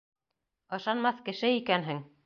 Ышанмаҫ кеше икәнһең!